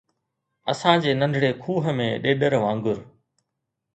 اسان جي ننڍڙي کوهه ۾ ڏيڏر وانگر